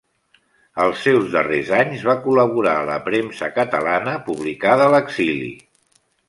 Als seus darrers anys va col·laborar a la premsa catalana publicada a l'exili.